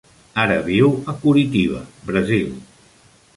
Ara viu a Curitiba, Brasil.